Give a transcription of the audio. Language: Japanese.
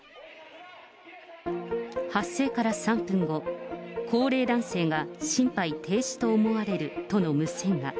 発生から３分後、高齢男性が心肺停止と思われるとの無線が。